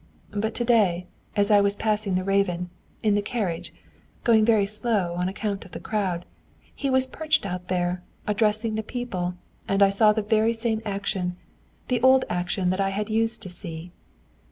But to day, as I was passing the Raven, in the carriage going very slow, on account of the crowd he was perched out there, addressing the people, and I saw the very same action the old action that I had used to see."